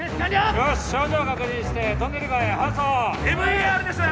よし症状を確認してトンネル外へ搬送ＭＥＲです